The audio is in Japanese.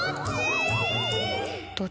どどっち！？